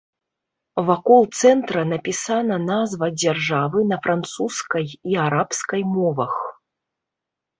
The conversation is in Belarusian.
Вакол цэнтра напісана назва дзяржавы на французскай і арабскай мовах.